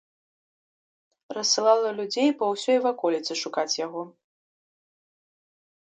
Рассылала людзей па ўсёй ваколіцы шукаць яго.